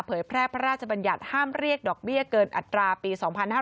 แพร่พระราชบัญญัติห้ามเรียกดอกเบี้ยเกินอัตราปี๒๕๕๙